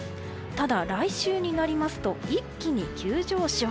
ただ、来週になりますと一気に急上昇。